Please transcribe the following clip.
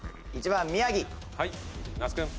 １番宮城。